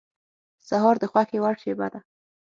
سهار د خوښې وړ شېبه ده.